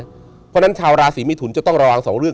เพราะฉะนั้นชาวราศีมิถุนจะต้องระวังสองเรื่อง